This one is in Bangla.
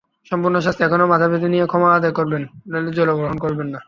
সম্পূর্ণ শাস্তি এখনই মাথা পেতে নিয়ে ক্ষমা আদায় করবেন, নইলে জলগ্রহণ করবেন না।